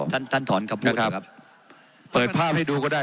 ท่านท่านถอนคำพูดครับเปิดภาพให้ดูก็ได้